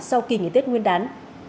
sau kỳ ngày tết nguyên đán